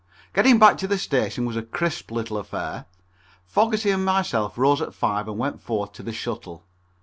Getting back to the station was a crisp little affair. Fogerty and myself rose at five and went forth to the shuttle.